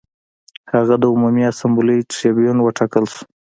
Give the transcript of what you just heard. هغه د عمومي اسامبلې ټربیون وټاکل شو